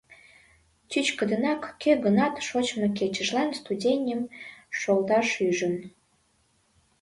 Чӱчкыдынак кӧ-гынат шочмо кечыжлан студеньым шолташ ӱжын.